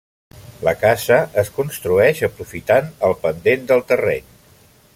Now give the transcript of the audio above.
La casa es construeix aprofitant el pendent del terreny.